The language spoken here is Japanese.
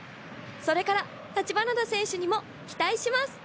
それから橘田選手にも期待します。